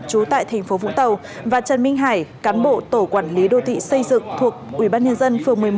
trú tại tp vũng tàu và trần minh hải cán bộ tổ quản lý đô thị xây dựng